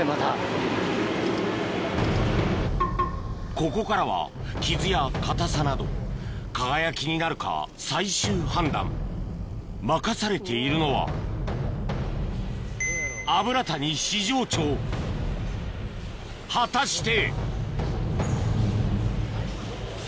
ここからは傷や硬さなど「輝」になるか最終判断任されているのは果たして？